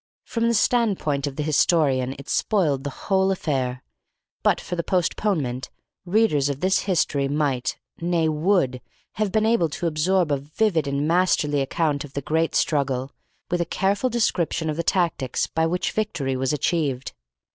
From the standpoint of the historian it spoiled the whole affair. But for the postponement, readers of this history might nay, would have been able to absorb a vivid and masterly account of the great struggle, with a careful description of the tactics by which victory was achieved.